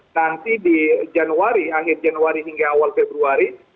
nanti di januari akhir januari hingga awal februari